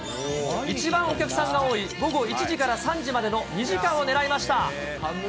一番お客さんが多い、午後１時から３時までの２時間を狙いました。